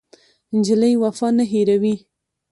نجلۍ وفا نه هېروي.